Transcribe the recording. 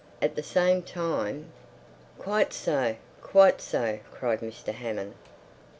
"At the same time—" "Quite so! Quite so!" cried Mr. Hammond.